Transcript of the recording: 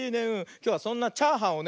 きょうはそんなチャーハンをね